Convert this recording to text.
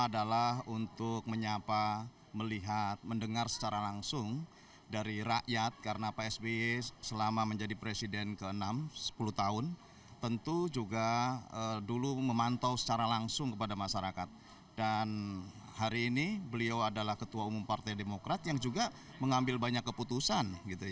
dan hari ini beliau adalah ketua umum partai demokrat yang juga mengambil banyak keputusan